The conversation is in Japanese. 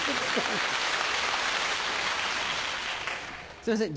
すいません